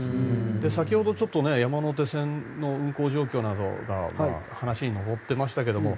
先ほど、山手線の運行状況などが話に上ってましたけれども。